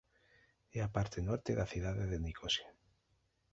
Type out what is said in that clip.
É a parte norte da cidade de Nicosia.